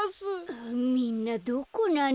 みんなどこなの？